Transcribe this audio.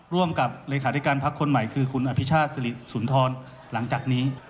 ร่วมกับเลขาธิการพักคนใหม่คือคุณอภิชาติสุนทรหลังจากนี้